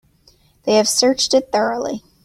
They have searched it thoroughly.